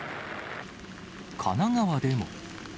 神奈川でも。